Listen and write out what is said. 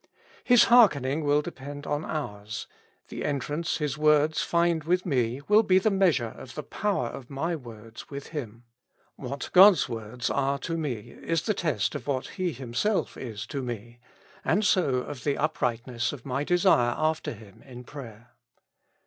His hearkening will depend on ours ; the entrance His words find with me, will be the measure of the power of my words with Him. What God's words are to 175 With Christ in the School of Prayer. me, is the test of what He Himself is to me, and so of the uprightness of my desire after Him in prayer.